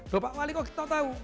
duh pak wali kok kita tahu tahu